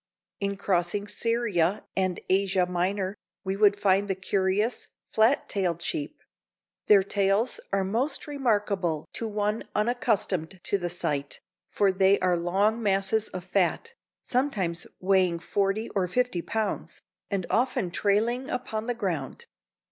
In crossing Syria and Asia Minor we would find the curious, flat tailed sheep; their tails are most remarkable to one unaccustomed to the sight, for they are long masses of fat, sometimes weighing forty or fifty pounds, and often trailing upon the ground.